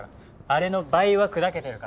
あれの倍は砕けてるから。